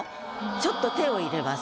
ちょっと手を入れます。